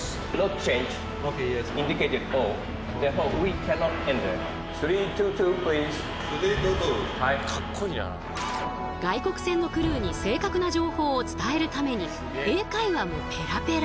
しかも外国船のクルーに正確な情報を伝えるために英会話もペラペラ。